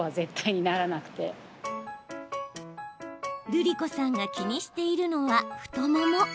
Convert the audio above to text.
るりこさんが気にしているのは太もも。